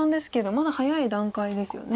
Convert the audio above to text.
まだ早い段階ですよね。